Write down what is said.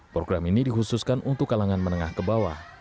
program ini dikhususkan untuk kalangan menengah ke bawah